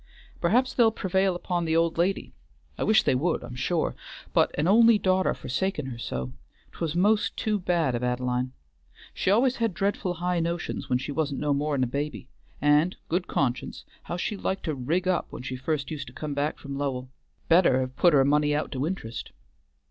Perhaps they'll prevail upon the old lady, I wish they would, I'm sure; but an only daughter forsakin' her so, 'twas most too bad of Ad'line. She al'ays had dreadful high notions when she wa'n't no more'n a baby; and, good conscience, how she liked to rig up when she first used to come back from Lowell! Better ha' put her money out to interest."